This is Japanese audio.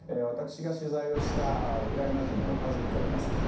私が取材をしたウクライナ人の家族がいます。